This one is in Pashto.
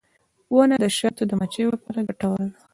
• ونه د شاتو د مچیو لپاره ګټوره ده.